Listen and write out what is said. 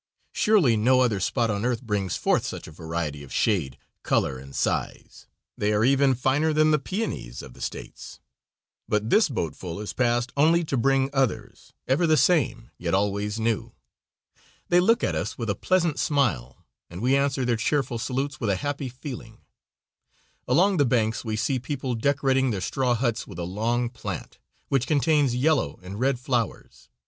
Surely no other spot on earth brings forth such a variety of shade, color, and size. They are even finer than the peonies of the States. But this boatful has passed only to bring others, ever the same, yet always new. They look at us with a pleasant smile, and we answer their cheerful salutes with a happy feeling. Along the banks we see people decorating their straw huts with a long plant, which contains yellow and red flowers.